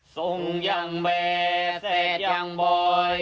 ทรงยังแบดแซ่ดอย่างบ่อย